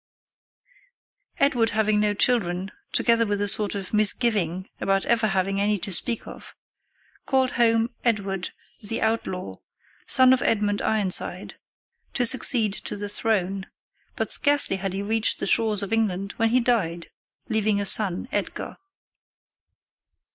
Edward having no children, together with a sort of misgiving about ever having any to speak of, called home Edward "the Outlaw," son of Edmund Ironside, to succeed to the throne; but scarcely had he reached the shores of England when he died, leaving a son, Edgar.